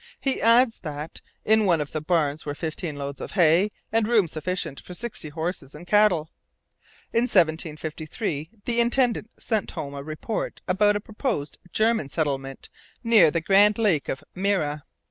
He adds that 'in one of the barns were fifteen loads of hay, and room sufficient for sixty horses and cattle.' In 1753 the intendant sent home a report about a proposed 'German' settlement near the 'Grand Lake of Mira.'